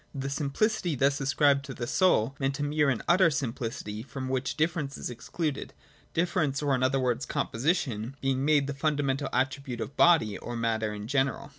The simplicity thus ascribed to the Soul meant a mere and utter simplicity, from which difference is excluded : difference, or in other words composition, being made the fundamental attribute of body, or of matter in general.